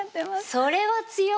それは強い！